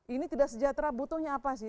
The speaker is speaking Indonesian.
ini tidak sejahtera butuhnya apa sih